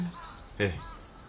ええ。